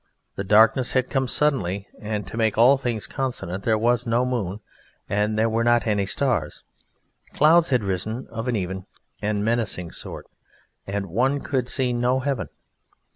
The darkness had come suddenly, and, to make all things consonant, there was no moon and there were not any stars; clouds had risen of an even and menacing sort, and one could see no heaven.